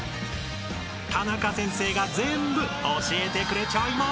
［タナカ先生が全部教えてくれちゃいます］